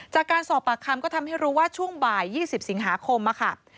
จากการสอบปากคำก็ทำให้รู้ว่าช่วงบ่าย๒๐สิงหาคมค่ะ